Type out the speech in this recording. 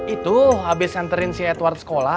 itu habis nganterin si edward sekolah